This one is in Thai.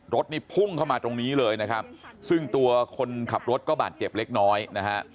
รถนี่พุ่งเข้ามาตรงนี้เลยนะครับซึ่งตัวคนขับรถก็บาดเจ็บเล็กน้อยนะฮะ